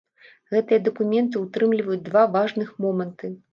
Гэтыя дакументы ўтрымліваюць два важных моманты.